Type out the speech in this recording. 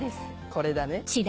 これだね。